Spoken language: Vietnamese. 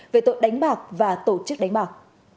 về tội đánh bạc và tổ chức đánh bạc